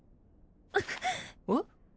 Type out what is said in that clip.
えっ？